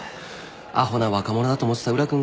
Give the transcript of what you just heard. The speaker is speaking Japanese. アホな若者だと思ってた宇良君が。